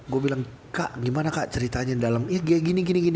gue bilang kak gimana kak ceritanya dalam ya kayak gini gini